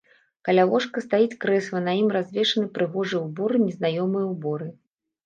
Каля ложка стаіць крэсла, на ім развешаны прыгожыя ўборы, незнаёмыя ўборы.